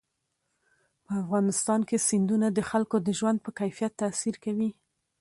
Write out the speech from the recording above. په افغانستان کې سیندونه د خلکو د ژوند په کیفیت تاثیر کوي.